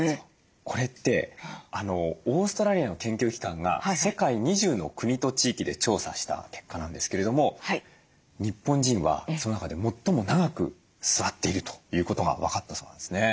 これってオーストラリアの研究機関が世界２０の国と地域で調査した結果なんですけれども日本人はその中で最も長く座っているということが分かったそうなんですね。